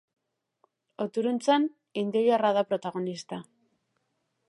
Oturuntzan, indioilarra da protagonista.